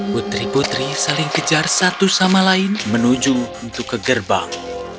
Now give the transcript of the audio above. putri putri saling kejar satu sama lain menuju untuk ke gerbang